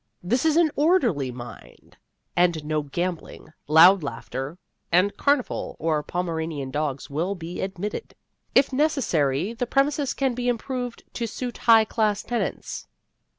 This is an orderly mind, and no gambling, loud laughter and carnival or Pomeranian dogs will be admitted. If necessary, the premises can be improved to suit high class tenants.